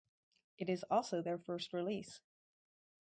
It is also their first release.